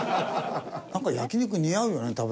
なんか焼肉似合うよね。